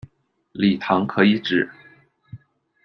李唐可以指：